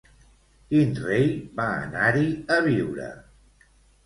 Quin rei va anar-hi a viure?